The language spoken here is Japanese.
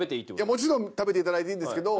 もちろん食べていただいていいんですけど。